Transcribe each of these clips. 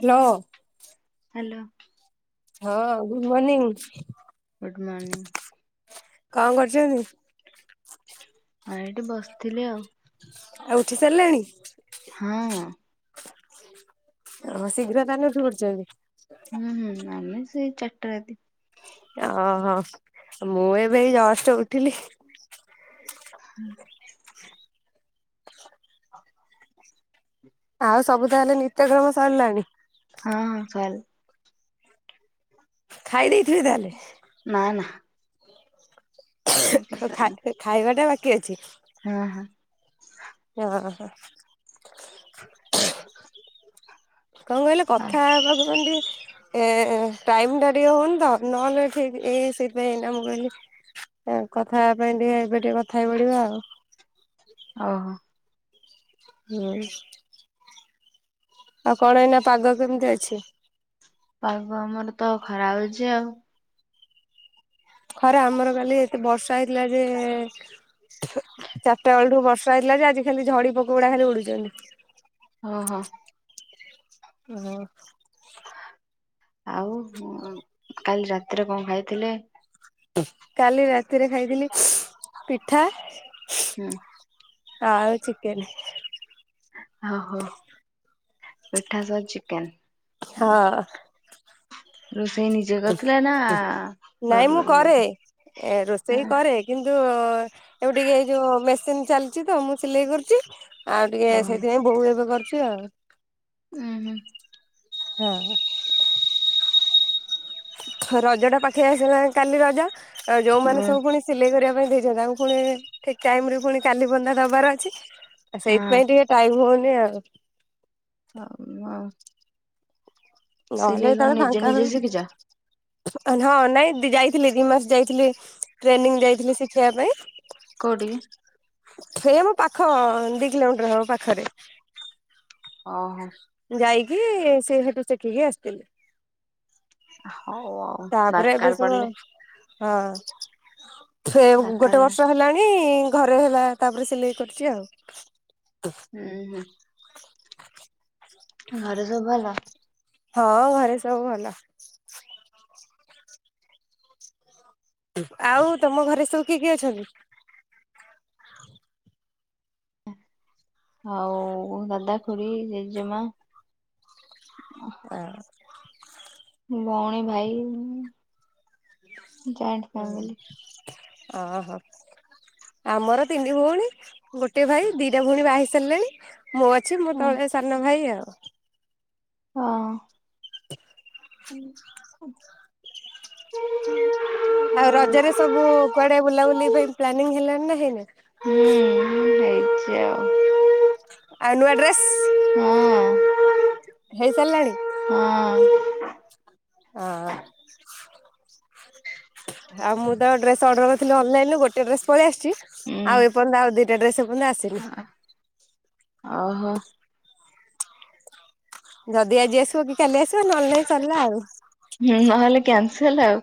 Hello. Hello. ହଁ good morning good morning କଣ କରୁଛନ୍ତି। ହଁ ଏଇଠି ବସିଥିଲି ଆଉ। ଆଉ ଉଠି ସାରିଲେଣି। ହଁ। ହ ଶୀଘ୍ରତାନେ ଉଠି ପଡିଛନ୍ତି। ହୁଁ ହୁଁ ଆମେ ସେଇ ଚାରିଟା ରାତି। ଅ ହ ମୁଁ ଏବେ ଏଇ ଜଷ୍ଟ ଉଠିଲି। ହୁଁ। ଆଉ ସବୁ ତାହେଲେ ନିତ୍ୟକ୍ରମ ସରିଲାଣି। ହଁ ସର ଖାଇ ଦେଇଥିବେ ତାହେଲେ। ନା ନା। ଆଗେ ଖା ସରିନି ଖାଇବାଟା ବାକି ଅଛି। ହଁ ହଁ। ହଁ ହ କଣ କହିଲେ ହ କଥା ଭାବୁଛନ୍ତି ଏ ଟାଇମ ଟା ଟିକେ ହଉନି ତ ନହେଲେ ଠିକ୍ ଏଇ ସେଇଥି ପାଇଁ ଏଇନା ମୁଁ କହିଲି ଏଁ କଥା ହେବା ପାଇଁ ଟିକେ ଏବେ ଟିକେ କଥା ହେଇ ପଡିବା ଆଉ। ଓହୋ। ହୁଁ। ଆଉ କଣ ଏଇନା ପାଗ କେମିତି ଅଛି। ପାଗ ଆମର ତ ଖରା ହଉଛି ଆଉ। ଖରା ଆମର କାଲି ଏତେ ବର୍ଷା ହେଇଥିଲା ଯେ ଚାରଟାବେଳଠୁ ବର୍ଷା ହେଇଥିଲା ଯେ ଆଜି ଖାଲି ଝଡ଼ି ପୋକଉଡ଼ା ଖାଲି ଉଡ଼ୁଚନ୍ତି। ଓହୋ। ଓହୋ। ଆଉ ଉ କାଲି ରାତିରେ କଣ ଖାଇଥିଲେ? କାଲି ରାତିରେ ଖାଇଥିଲି ପିଠା ହୁଁ। ଆଉ ଚିକେନେ। ଓହୋ ପିଠା ସହ ଚିକେନ୍। ହଁ। ରୋଷେଇ ନିଜେ କରିଥିଲେ ନା ଘର ନାଇଁ ମୁଁ କରେ। ଲୋକ ଏ ରୋଷେଇ କରେ କିନ୍ତୁ ଏବେ ଟିକିଏ ଯୋଉ ମେସିନ୍ ଚାଲିଚିତ ମୁଁ ସିଲେଇ କରୁଚି ଆଉ ଟିକେ ଉଁ ସେଇଥିପାଇଁ ବୋଉ ଏବେ କରୁଚି ଆଉ। ଉଁ ହୁଁ। ହଁ। ରଜଟା ପାଖେଇ ଆସିଲାଣି କାଲି ରଜା ଆଉ ଯୋଉମାନେ ହଁ ସବୁ ପୁଣି ସିଲେଇ କରିବା ପାଇଁ ଦେଇଚନ୍ତି ତାଙ୍କୁ ପୁଣି ଠିକ୍ ଟାଇମରେ ପୁଣି କାଲି ବନ୍ଦା ଦବାର ଅଛି। ଆଉ ସେଇଥିପାଇଁ ଟିକେ ଟାଇମ୍ ହଉନି ଆଉ। ହଉ ଅ ନହେଲେ କଣ ଯେତେଳେ ନିଜେ ଫାଙ୍କା ନିଜେ ରହେ ଶିଖିଛ ହଁ ନାଇଁ ଯାଇଥିଲି ଦିଇମାସେ ଯାଇଥିଲି ଟ୍ରେନିଂ ଯାଇଥିଲି ଶିଖିବା ପାଇଁ କୋଉଠିକି? ସେଇ ଆମ ପାଖ ଦିକିଲୋମିଟର ହବ ପାଖରେ। ଓହୋ। ଯାଇକି ସେହେଟୁ ସେଖିକି ଆସିଥିଲି। ହଉ ଆଉ ତାପରେ ଏବେ ଦରକାର ସବୁ ପଡିଲେ ହଁ। ଫେ ଗୋଟେ ଦରକାର ବର୍ଷ ହେଲାଣି ଘରେ ହେଲା ତାପରେ ସିଲେଇ କରୁଚି ଆଉ। ହୁଁ ହୁଁ। ଘରେ ସବୁ ଭଲ? ହଁ ଘରେ ସବୁ ଭଲ। ଆଉ ତମ ଘରେ ସବୁ କିଏ କିଏ ଅଛନ୍ତି? ଆଉ ଦାଦା ଖୁଡି ଜେଜେମା ଆଁ ଭଉଣୀ ଭାଇ ଜଏଣ୍ଟ ଫ୍ୟାମିଲି ହଁ ଓହୋ। ଆମର ତିନି ଭଉଣୀ ଗୋଟେ ଭାଇ ଦିଟା ଭଉଣୀ ବାହାହେଇ ସାରିଲେଣି। ମୁଁ ଅଛି ମୁଁ ହଁ ତଳେ ସାନ ଭାଇ ଆଉ। ହଁ। [unintelligible] ଆଉ ରଜରେ ସବୁ କୁଆଡ଼େ ବୁଲାବୁଲି ପାଇଁ ପ୍ଲାନିଂ ହେଲାଣିନା ହେଇନି? ହୁଁଁ ହେଇଚି ଆଉ। ଆଉ ନୂଆ ଡ୍ରେସ୍ ହେଇସାରିଲାଣି? ହଁ। ହଁ। ଆଉ ମୁଁତ ଡ୍ରେସ୍ ଅର୍ଡର କରିଥିଲି ଅନଲାଇନ୍ ରୁ ଗୋଟେ ଡ୍ରେସ୍ ପଳେଇ ଆସିଚି। ହୁଁ। ଆଉ ଏପର୍ଯ୍ୟନ୍ତ ଆଉ ଦିଟା ଡ୍ରେସ୍ ଏର୍ଯ୍ୟନ୍ତ ଆସନି। ଓହୋ। ଯଦି ଆଜି ଆସିବ କି କାଲି ଆସିବ ନହେଲେ ନାଇଁ ସରିଲା ଆଉ। ହୁଁ ନହେଲେ କ୍ୟାନସଲ୍ ଆଉ।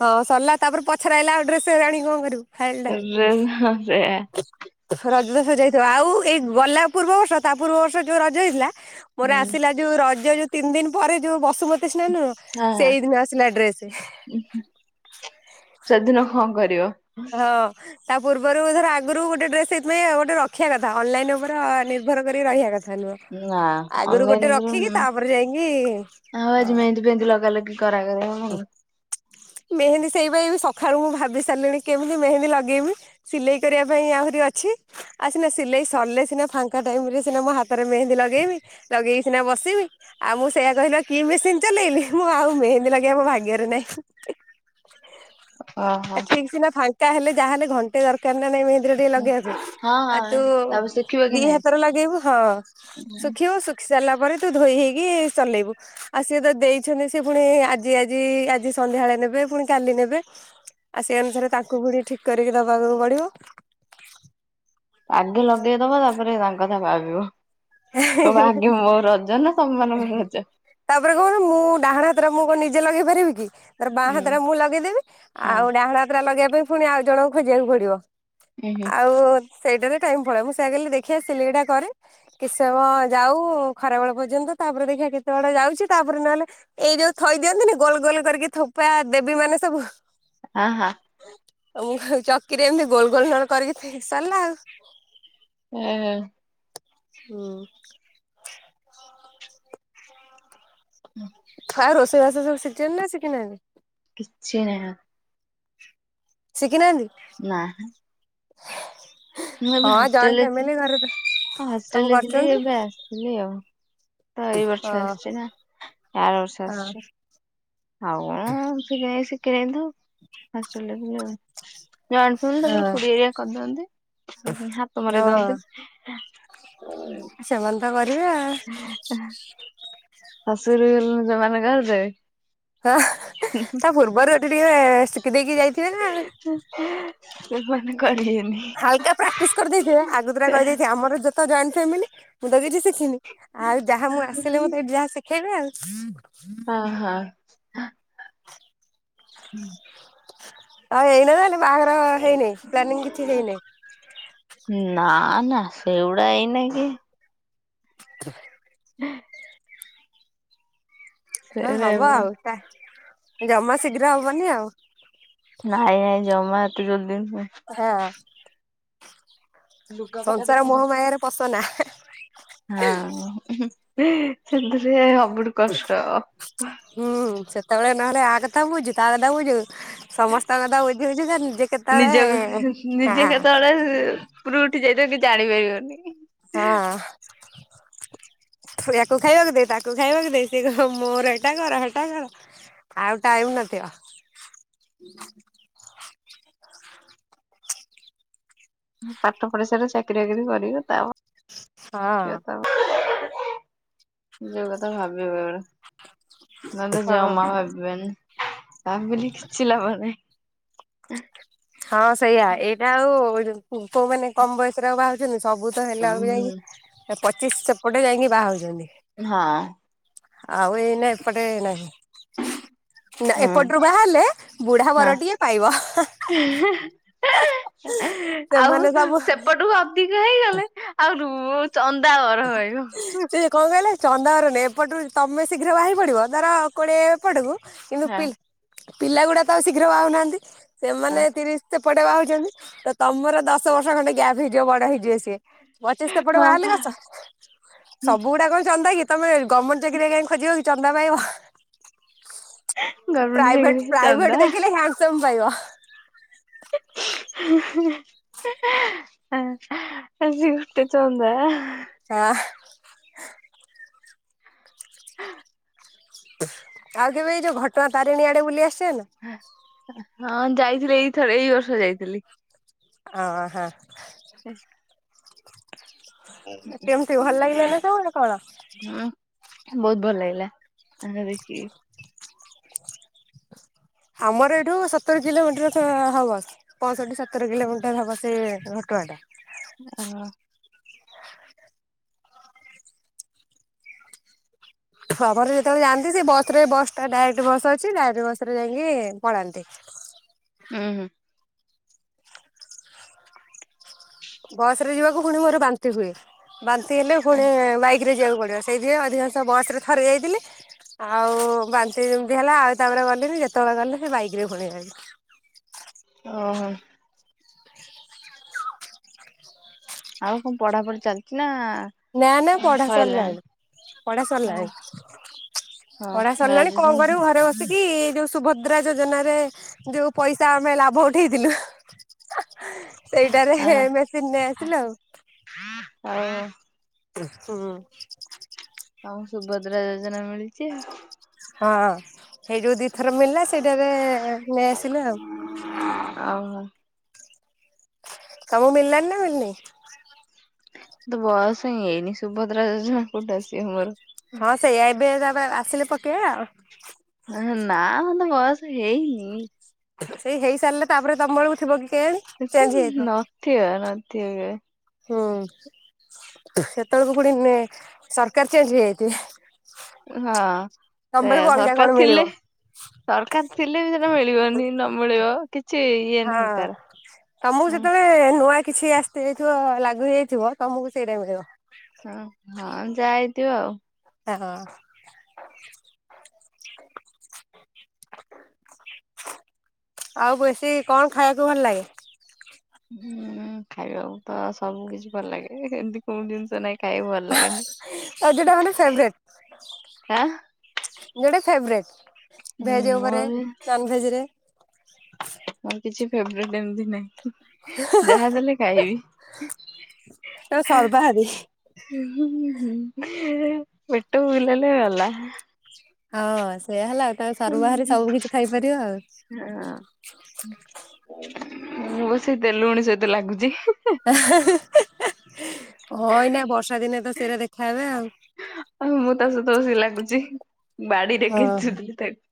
ହଁ ସରିଲା ତାପରେ ପଛରେ ଆଇଲା ଆଉ ଡ୍ରେସ୍ ଆଣିକି କଣ କରିବୁ। ଫାଇଲଟାରେ। [unintelligible] ହଁ ସେଇଆ। ରଜ ତ ସରି ଯାଇଥିବ ଆଉ ଏଇ ଗଲା ପୂର୍ବବର୍ଷ ତା ପୂର୍ବ ବର୍ଷ ଯୋଉ ରଜ ହେଇଥିଲା ମୋର ଆସିଲା ଯୋଉ ରଜ ଯୋଉ ତିନି ଦିନ ପରେ ଯୋଉ ବସ୍ ସୁମତି ସ୍ନାନ ନୁହଁ ସେଇଦିନ ଆସିଲା ଡ୍ରେସ। ଉ ହୁଁ ସେଦିନ କଣ କରିବ। ହଁ ତା ପୂର୍ବରୁ ଧର ଆଗରୁ ଗୋଟେ ଡ୍ରେସ ସେଇଥିପାଇଁ ଆ ଗୋଟେ ରଖିବା କଥା ଅନଲାଇନ ଉପର ନିର୍ଭର କରିକି ରହିବା କଥା ନୁହଁ। ନା ଆଗରୁ ଗୋଟେ ଅନଲାଇନ ଉପରେ ଉଁ ରଖିକି ତାପରେ ଯାଇକି ଆଉ ହଁ ଆଜି ମେହେନ୍ଦି ଫେହେନ୍ଦି ଲଗା ଲଗି କରା ଗର ହୁଁ। ମେହେନ୍ଦୀ ସେଇପାଇ ବି ସକାଳୁ ମୁଁ ଭାବି ସାରିଲିଣି କେମିତି ମେହେନ୍ଦୀ ଲଗେଇବି ସିଲେଇ କରିବା ପାଇଁ ଆହୁରି ଅଛି। ଆ ସିନା ସିଲେଇ ସରିଲେ ସିନା ଫାଙ୍କା ଟାଇମ ରେ ସିନା ମୋ ହାତରେ ମେହେନ୍ଦୀ ଲଗେଇବି। ଲଗେଇକି ସିନା ବସିବି ଆଉ ମୁଁ ସେଇଆ କହିଲି ବା କି ମେସିନ ଚଲେଇଲି ମୁଁ ଆଉ ମେହେନ୍ଦୀ ଲଗ ଇବା ମୋ ଭାଗ୍ୟରେ ନାଇଁ ଓହୋ। ଆ ଠିକ ସିନା ଫାଙ୍କା ଙ୍କା ହେଲେ ଯାହା ହେଲେ ଘଣ୍ଟେ ଦରକାର ନା ନାଇ ମେହେ ନ୍ଦି ରେ ଟିକେ ଲଗେଇବା ପାଇ ହଁ ଆଉ ତୁ ହଁ ତାପରେ ଶିଖିବ କି ଦି ନାଇଁ? ହାତରେ ଲଗେଇବୁ ହଁ ଶୁଖିବ ଶୁ- ଖି ସାରିଲା ପରେ ତୁ ଧୋଇ ହେଇକି ଚଲେଇବୁ ଆଉ ସିଏ ତ ଦେଇଛନ୍ତି ସେ ପୁଣି ଆଜି- ଜି ଆଜି ଆଜି ସନ୍ଧ୍ୟାବେଳେ ନେବେ ପୁଣି କାଲି ନେବେ। ଆଉ ସେ ଅନୁସାରେ ତାଙ୍କୁ ପୁଣି ଠିକ କରିକି ଦବାକୁ ପଡିବ। ଆଗେ ଲଗେଇଦବ ତାପରେ ତାଙ୍କ କଥା ଭାବିବ। କହିବ ଆଗେ ମୋ ରଜ ନା ତମମାନଙ୍କର ରଜ। ତାପରେ କଣ ମୁଁ ଡାହାଣ ହାତରେ ମୁଁ କଣ ନିଜେ ଲଗେଇ ପାରିବି କି। ତାର ବାଁ ହୁଁ ହାତ ଟା ମୁଁ ଲଗେଇଦେବି ହଁ ଆଉ ଡାହାଣ ହାତ ଟା ଲଗେଇବା ପାଇଁ ପୁଣି ଆଉ ଜଣଙ୍କୁ ଖୋଜିବାକୁ ପଡିବ। ହୁଁ ହୁଁ। ଆଉ ସେଇଟାରେ ଟାଇମ ପଳେଇବ ମୁଁ ସେୟା କଇଲି ଦେଖୀଆ ସିଲେଇଟା କରେ କିଛି ସମୟ ଯାଉ ଖରାବେଳ ପର୍ଯ୍ୟନ୍ତ ତାପରେ ଦେଖିବା କେତେବାଟ ଯାଉଚି ତାପରେ ନହେଲେ ଏଇ ଯୋଉ ଥୋଇ ଦିଅନ୍ତିନି ଗୋଲ ଗୋଲ କରିକି ଥୋପା ଦେବୀ ମାନେ ସବୁ ଅ ହଁ। ଆଉ ମୁଁ କ ଚକିରେ ଏମିତି ଗୋଲ ଗୋଲ ନଲେ କରିକି ନ ଥୋ ସରିଲା ଆଉ। ଅ ହଁ। ହୁଁ। ଆଉ ରୋଷେଇବାସ ସବୁ ଶିଖିଚନ୍ତି ନା ଶିଖିନାହାନ୍ତି। କିଛି ନାଁହା। ଶିଖିନାହାନ୍ତି। ନା। [inaudible] ମୁଁ ଏବେ ହଁ ଜଏଣ୍ଟ ହଷ୍ଟେଲରେ ଫ୍ୟାମିଲି ଘରେ ତ ଥିଲି ସବୁ ହଷ୍ଟେଲରେ ଥିଲି କରୁଛନ୍ତି ଏବେ ଆସି ଥିଲି ଆଉ ତ ଏଇ ହଁ ବର୍ଷ ଆସିଛି ନା ଆର ବର୍ଷ ହଁ ଆସିଚି। ଆଉ କଣ ସେମିତି ଶିଖିନାହି ତ ହଷ୍ଟେଲ ରେ ଥିଲି ଆଉ। ଜଏଣ୍ଟ ଫେମିଲି ତାପରେ ହଁ ଖୁଡି ହରୀକା କରିଦିଅନ୍ତି ହୁ ହାତ ମରେଇ ହଁ ଦିଅନ୍ତିନି। ହୁ। ସେମାନେ ତ କରିବେ ଆ। ଅ ହ ଶାଶୁଘରକୁ ଗଲେ ଯୋମାନେ କରି ଦେବେ। ହଁ ତା ପୂର୍ବରୁ ଏଠି ଟିକେ ଶିଖି ଦେଇକି ଯାଇ [inaudible] ସେମାନେ କରିବେନି। ତା ପ୍ରାକ୍ଟିସ କରିଦେଇଥିବ ଆଗୁତୁରା କହିଦେଇଥିବ ଆମର ଯେ ତ ଜଏଣ୍ଟ ଫ୍ୟାମିଲି ମୁଁ ତ କିଛି ଶିକି ଖିନି ଆଉ ଯାହା ମୁଁ ଆସିଲେ ମତେ ଏଇଠି ଯାହା ଶିଖେଇବେ ଆଉ। ଅ ହ ହୁଁ। ଆଉ ଏଇନା ତାହେଲେ ବାହାଘର ହେଇନେଇ ପ୍ଲାନିଂ କିଛି ହେଇନେଇ। ନା ନା ସେଗୁଡା ଏଇନା କି? [inaudible] [inaudible] ହଁ ସେଗୁଡା ହବ ଏବେ ଆଉ ତା ଜମା ଶୀଘ୍ର ହବନି ଆଉ। ନାଇଁ ନାଇଁ ଜମା ଏତେ ଜଲଦି ନୁହଁ ହଁ ଲୁଗାପଟା ଦେଖ ସଂସାର ମୋହମୟାରେ ପସନା। ହଁ ସେଥିରେ ସବୁଠୁ କଷ୍ଟ। ହୁଁ ସେତେବେଳେ ନହେଲେ ଆ କଥା ବୁଝୁ ତା କଥା ବୁଝୁ ସମସ୍ତଙ୍କ କଥା ବୁଝୁ ବୁଝୁକା ନିଜେ କେତେବେଳେ ନିଜ ହଁ ନିଜେ କେତେବେଳେ ଉପୁରୁକୁ ଉଠି ଯାଇଥିବ କିଛି ଜାଣି ପାରିବନି। ହଁ ୟାକୁ ଖାଇବାକୁ ଦେ ତାକୁ ଖାଇବାକୁ ଦେ କିଏ କହିବ ମୋର ଏଟା କର ହେଟା ସେଟା କର। ଆଉ ଟାଇମ୍ ନ ଥିବ। [unintelligible] ପାଠ ପଢି ସଇଲେ ଚାକିରି ବାକିରି କରିବି ଦେଖିଆ ହଁ ତା ପରେ। [unintelligible] ନ ଲେ ହଁ ଜମା ଭାବିବେନି ଭାବିଲେ କିଛି ଲାଭ ନାହିଁ। ହଁ, ସେଇଆ ଏଇଟା ଆଉ କୋଉ ମାନେ କମ ବୟସରେ ଆଉ ବାହା ହଉଛନ୍ତି ସବୁ ତ ହେଲା ବେଳକୁ ଯାଇକି ପଚିଶ ସେପଟେ ଯାଇକି ବାହା ହଉଛନ୍ତି। ହଁ। ଆଉ ଏଇନେ ଏପଟେ ନାହିଁ। ନା ହୁଁ ଏପଟ ରୁ ବାହା ହେଲେ ବୁଢା ବର ଟିଏ ପାଇବ। ଇ, ହିଁ, ହିଁ, ହିଁ ସେମାନେ ଆଉ ସବୁ ସେପଟୁ ଅଧିକ ହେଇଗଲେ ଆଉ ରୁ ଚନ୍ଦାବର ପାଇବେ। ସେକଣ କହିଲେ ଚନ୍ଦା ବର ନୁହେଁ, ଏପଟରୁ ତମେ ଶୀଘ୍ର ବାହା ହେଇ ପଡବ ଧର କୋଡ଼ିଏ ଏ ପଟକୁ କିନ୍ତୁ ହଁ ପିଲା ଗୁଡା ତ ଆଉ ଶୀଘ୍ରବାହା ହୁଉ ନାହାନ୍ତି ସେମାନେ ହଁ। ତିରିଶ ସେ ପଟେ ବାହା ହଉଛନ୍ତି ତ ତମର ଦଶ ବର୍ଷ ଖଣ୍ଡେ ଗ୍ୟାପ୍ ହେଇଯିବ ବଡ ହେଇଯିବ ସିଏ। ପଚିଶ ସେପଟେ ହଁ ବାହାହେଲେ ପା [inaudible] ସବୁ ଗୁଡାକ କଣ ଚନ୍ଦା କି ତମେ ଗମେଣ୍ଟ ଚାକିରି କାଇଁ ଖୋଜିବ କି ଚନ୍ଦା ପାଇବ। ଗଭର୍ଣମେଣ୍ଟ ଚାକିରି ପ୍ରାଇଭେଟ ଚନ୍ଦା। ପ୍ରାଇଭେଟ ଦେଖିଲେ ହ୍ୟାଣ୍ଡସମ୍ ପାଇବା। ଆ, ଆଜି ଗୁଟେ ଚନ୍ଦା ଆ, ହଁ, ଆ ଆଉ କେବେ ଏଇ ଯୋଉ ଘଟଣା ତାରିଣୀ ଆଡେ ବୁଲି ଆସଛନ୍ତି। ହଁ ଯାଇଥିଲି ଏଇ ଥର ଏଇ ବର୍ଷ ଯାଇଥିଲି। ହୁଁ, ହିଁ। [inaudible] କେମିତି ଭଲ ଲାଗିଲ ନା ତମର କଣ। ହୁଁ, ବହୁତ ଭଲ ଲାଗିଲା ତତେ ଦେଖିକି। ଆମର ଏଇଠୁ ସତର କିଲୋମିଟର ସବୁ ହବ। ପଞ୍ଚଷଠି ସତର କିଲୋମିଟର ହବ ସେ ଘଟଗାଁ ଟା। ଆ ହ। ହିଁ ଯେତେବେଳେ ଯାଆନ୍ତି ସେ ବସ ରେ ବସ୍ ଟା ଡାଇରେକ୍ଟ ବସ୍ ଅଛି ଡାଇରେକ୍ଟ ବସ ରେ ଯାଇକି ପଳାନ୍ତି। ହୁଁ, ହୁଁ। ବସ ରେ ଯିବାକୁ ପୁଣି ମୋର ବାନ୍ତି ହୁଏ ବାନ୍ତି ହେଲେ ପୁଣି ବାଇକ୍। ବାଇକ୍ ଯିବାକୁ ପଡ଼ିବ ସେଇଥି ପାଇଁ ଆଧିକାଂଶ ବସ୍ ରେ ଥରେ ଯାଇଥିଲି। ଆଉ ବାନ୍ତି ଯେମିତି ହେଲା ଆଉ ତାପରେ ଗଲିଣିି ଯେତେବେଳେ ଗଲି ସେ ବାଇକ ରେ ପଳେଇ ଗଲି। ଓହୋ ଆଉ କଣ ପଢାପଢି ଚାଲିଛି ନା। ନା ନା ପଢା ସଇଲାଣି? ସରିଲାଣି ପଢା ଓ ସରିଲାଣି। ହୋ ପଢା ସରିଲାଣି କଣ ଗ୍ରାଜୁଏସନ କରିବୁ ଘରେ ବସି ସେକି ଯୋଉ ସୁଭଦ୍ରା ଯୋଜନା ରେ ଯୋଉ ପଇସା ଆମେ ଲାଭ ଉଠେଇ ଥିଲୁ। [unintelligible] ସେଇଟାରେ ଆ ମେସିନ୍ ନେଇ ଆସିଲୁ ଆଉ [unintelligible] ଆଉ ହୁଁ [unintelligible] ହଁ। ତମକୁ ସୁଭଦ୍ରା ଯୋଜନା ମିଳିଛି? ହଁ, ହେଇ ଯୋଉ ଦି ଥର ମିଳିଲା ସେଇଟାରେ ନେଇ ଆସିଲେ ଆଉ। ଓହୋ। ତମୁକୁ ମିଳିଲାଣି ନାଁ ମିଳି ନେଇଁ।? ମତେ ବୟସ ହେଇନି ସୁଭଦ୍ରା ଯୋଜନା କଉଠୁ ଆଶି ହଁ ସେଇଆ ଏବେ ତା ପରେ ଆସିଲେ ପକେଇବା ଆଉ। ନାଁ ମତେ ବୟସ ହେଇନି। ସେଇ ହେଇ ସାରିଲା ତାପରେ ତମ ବେଳକୁ ଥିବ କି କେୟାଣି। [unintelligible] ନଥିବ ନଥିବ କେବେ। ହୁଁ ସେତେବେଳକୁ ପୁଣି ନେ ସରକାର ଚେଞ୍ଜ୍ ହେଇଯାଇଥିବେ। [inaudible] ହଁ ତମ ସେଇଆ ବେଳକୁ ଅଲଗା ସରକାର କଣ ମିଳିବ ଥିଲେ ସରକାର ଥିଲେ ବି ସେଟା ମିଳିବନି ନ ମିଳିବ। କିଛି ଇଏ ହଁ ନାହିଁ ତାର। ତମକୁ ହଁ ସେତେବେଳେ ନୂଆ କିଛି ଆସ [unintelligible] ଥିବ ଲାଗୁ ହେଇଯାଇଥିବ ତମକୁ ସେଇଟା ମିଳିବ। ହଁ ହଁ ଯା ହେଇଥିବ ଆଉ। ହଁ। ଆଉ ବେଶୀ କଣ ଖାଇବାକୁ ଭଲ ଲାଗେ? ଉଁ ଖାଇବାକୁ ତ ସବୁ କିଛି ଭଲ ଲାଗେ ଏମିତି କୋଉ ଜିନିଷ ନାଇଁ ଖାଇବାକୁ ଭଲ ଲାଗେନି ଆଉ ଯୋଉଟା ଆଁ। ଗୋଟେ ଫେବ୍ ରେଟ୍ ହୁଁ ଭେଜ ଉପରେ ମୋର ନନ୍ ଭେଜ୍ ରେ। ମୋର କିଛି ଫେବ୍ ରେଟ୍ ଏମିତି ନାହିଁ। ଯାହା ଦେଲେ କାଇବି‌। ‌ ତମେ ସର୍ବାହାରୀ ହୁଁ ହୁଁ ହୁଁ ହୁଁ ପେଟ ଫୁଲ୍ ହେଲେ ଗଲା। ହଁ ସେଇୟା ହେଲା ଆଉ ତମେ ସର୍ବ ହାରି ସବୁ କିଛି ଖାଇପାରିବ ଆଉ। ହଁ ମୁଁ ସେଇ ତେଲୁଗୁଣି ସହିତ ଲାଗୁଛି। ହଁ ଏଇନା ବର୍ଷା ଦିନେ ତ ସେରା ଦେଖାହେବେ ଆଉ। ଆଉ ମୁଁ ତା ସହିତ ବସିକି ଲାଗୁଛି ବାଡିରେ କେଞ୍ଚୁଥିଲି ତାକୁ।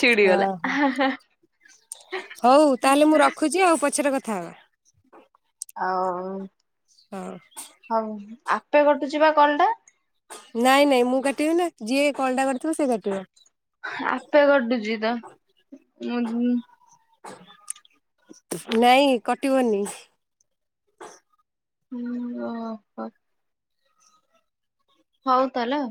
ଛିଡିଗଲା। ଅହ ହଉ ତାହେଲେ ମୁଁ ରଖୁଛି ଆଉ ପଛରେ କଥା ହବା। ଆଉ ହଁ। ହଉ ଆପେ କଟୁଚି ପା କଲ୍ ଟା? ନାଇଁ ନାଇଁ ମୁଁ କାଟିବିନା ଯିଏ ଏ କଲ୍ ଟା କରିଥିବ ସେ କାଟିବ। ଆପେ କଟୁଚି ତ ଉଁ ଉଁ। ନାଇଁ କଟିବନି। ଉଁ ଓ ହୋ। ହଉ ତାଲେ ଆଉ।